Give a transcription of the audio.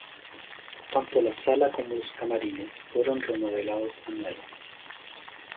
Tanto la sala como los camarines fueron remodelados a nuevo.